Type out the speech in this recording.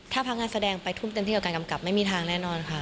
ถ้าพักงานแสดงไปทุ่มเต็มที่กับการกำกับไม่มีทางแน่นอนค่ะ